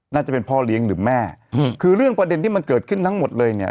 น่าจะเป็นพ่อเลี้ยงหรือแม่อืมคือเรื่องประเด็นที่มันเกิดขึ้นทั้งหมดเลยเนี่ย